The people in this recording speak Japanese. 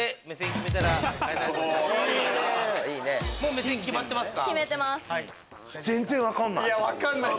目線決まってますか？